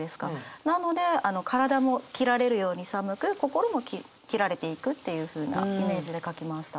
なので体も切られるように寒く心も切られていくっていうふうなイメージで書きました。